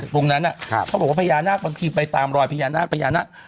พรุ่งนั้นเขาบอกว่าพญานาคบางทีไปตามรอยพญานาค